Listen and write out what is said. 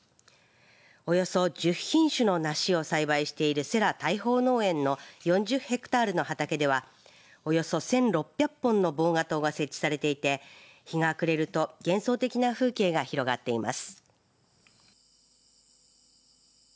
およそ１０品種の梨を栽培している世羅大豊農園の４０ヘクタールの畑ではおよそ１６００本の防蛾灯が設置されていて日が暮れると幻想的な風景が広がっています。